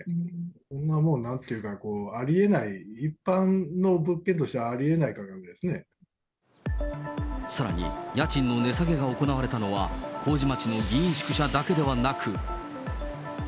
こんなもの、なんていうか、ありえない、一般の物件としてはありえない金額でさらに、家賃の値下げが行われたのは、麹町の議員宿舎だけではなく。